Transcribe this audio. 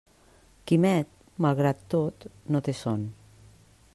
Quimet, malgrat tot, no té son.